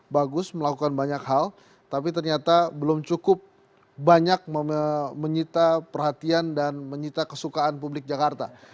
bagus melakukan banyak hal tapi ternyata belum cukup banyak menyita perhatian dan menyita kesukaan publik jakarta